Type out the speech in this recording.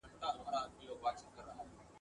له کلونو پکښي کور د لوی تور مار وو ..